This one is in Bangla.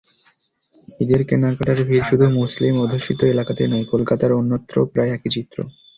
ঈদের কেনাকাটার ভিড় শুধু মুসলিম-অধ্যুষিত এলাকাতেই নয়, কলকাতার অন্যত্রও প্রায় একই চিত্র।